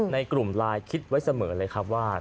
ในกลุ่มไลน์คิดไว้เสมอเลยครับว่า